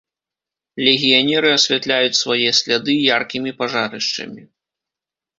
Легіянеры асвятляюць свае сляды яркімі пажарышчамі.